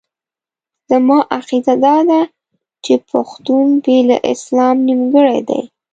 زما عقیده داده چې پښتون بې له اسلام نیمګړی دی.